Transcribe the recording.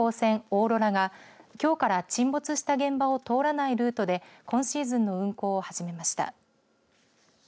おーろらがきょうから沈没した現場を通らないルートで今シーズンの運航を始めました。